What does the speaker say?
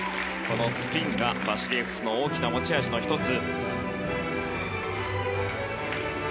スピンがバシリエフスの大きな持ち味の１つ。